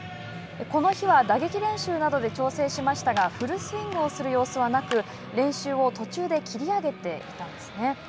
この日は打撃練習などで調整しましたがフルスイングをする様子はなく練習を途中で切り上げていたんですね。